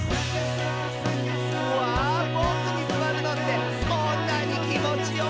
「うわボクにすわるのってこんなにきもちよかったんだ」